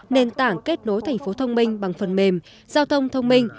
nền tảng kết nối thành phố thông minh bằng phần mềm giao thông thông minh